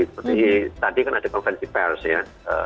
seperti tadi kan ada konferensi pers ya